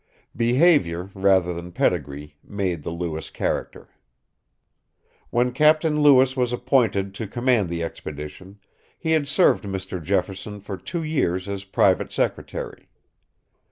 Behavior, rather than pedigree, made the Lewis character. When Captain Lewis was appointed to command the expedition, he had served Mr. Jefferson for two years as private secretary.